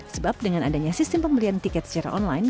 sebab dengan adanya sistem pembelian tiket secara online